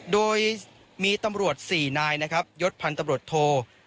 โดยมีตำรวจ๔นายนะครับยศพันธ์ตำรวจโท